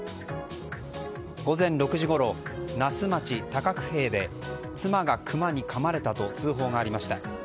午前６時ごろ那須町高久丙で妻がクマにかまれたと通報がありました。